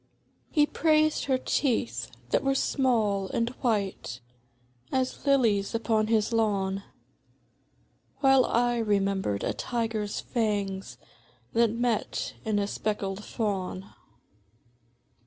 He praised her teeth, that were small and white As lilies upon his lawn, While I remembered a tiger's fangs That met in a speckled fawn.